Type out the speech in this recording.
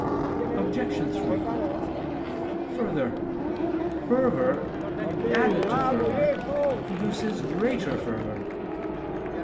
Obj. 3: Further, fervor added to fervor produces greater fervor.